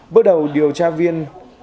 bước đầu điều tra viên